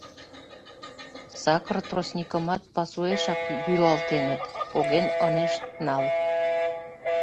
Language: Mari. — Сакыр тростникымат пасуэшак йӱлалтеныт; поген ынешт нал.